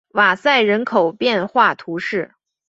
瓦塞人口变化图示